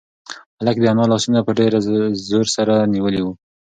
هلک د انا لاسونه په ډېر زور سره نیولي وو.